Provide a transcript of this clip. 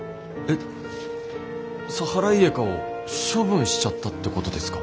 えサハライエカを処分しちゃったってことですか？